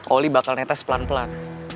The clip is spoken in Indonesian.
oli bakal netes pelan pelan